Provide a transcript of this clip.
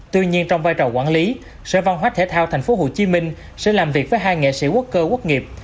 tuy nhiên trong vai trò quản lý sở văn hóa thể thao tp hcm sẽ làm việc với hai nghệ sĩ quốc cơ quốc nghiệp